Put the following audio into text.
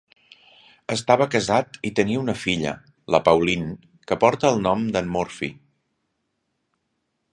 Estava casat i tenia una filla, la Pauline, que porta el nom d'en Morphy.